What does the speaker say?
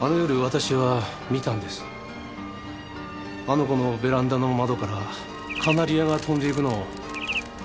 あの子のベランダの窓からカナリアが飛んでいくのを。